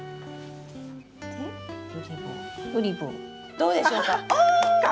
どうでしょうか？